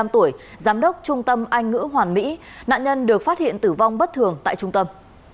một mươi năm tuổi giám đốc trung tâm anh ngữ hoàn mỹ nạn nhân được phát hiện tử vong bất thường tại trung tâm